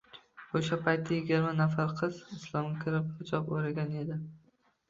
Oʻsha paytda yigirma nafar kiz Islomga kirib, hijob oʻragan edi